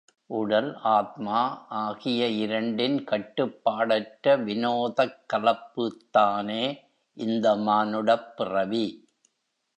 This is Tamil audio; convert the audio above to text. உடல், ஆத்மா ஆகிய இரண்டின் கட்டுப்பாடற்ற வினோதக் கலப்புத்தானே இந்த மானுடப்பிறவி?...